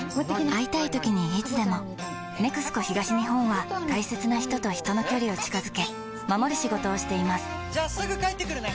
会いたいときにいつでも「ＮＥＸＣＯ東日本」は大切な人と人の距離を近づけ守る仕事をしていますじゃあすぐ帰ってくるね！